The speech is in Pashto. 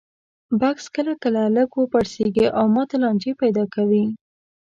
بکس کله کله لږ وپړسېږي او ماته لانجې پیدا کوي.